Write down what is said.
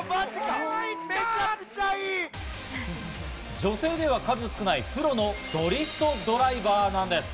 女性では数少ないプロのドリフトドライバーなんです。